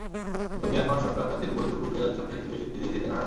কিন্তু মিয়ানমার সরকার তাদের বৈধ ক্ষুদ্র জাতিসত্তা হিসেবে স্বীকৃতি দিতে নারাজ।